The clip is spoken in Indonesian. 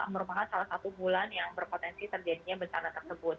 merupakan salah satu bulan yang berpotensi terjadinya bencana tersebut